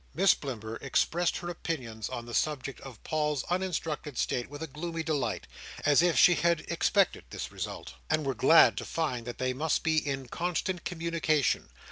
Miss Blimber expressed her opinions on the subject of Paul's uninstructed state with a gloomy delight, as if she had expected this result, and were glad to find that they must be in constant communication.